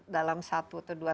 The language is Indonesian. dalam satu atau dua